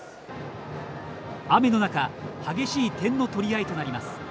雨の中激しい点の取り合いとなります。